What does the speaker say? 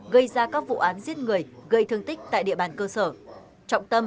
gây ra các vụ án giết người gây thương tích tại địa bàn cơ sở